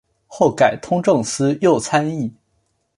后改通政司右参议。